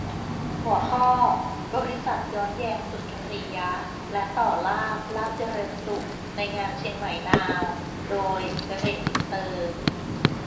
หัวข้อ : บริษัทย้อนแยงสุนทรียะ และ ต่อลาภ ลาภเจริญสุข ในงานเชียงใหม่นาว ! - โดย : กะเหรี่ยงอินเตอร์